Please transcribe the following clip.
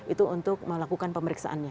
itu untuk melakukan pemeriksaannya